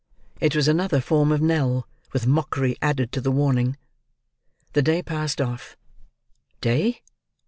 It was another form of knell, with mockery added to the warning. The day passed off. Day?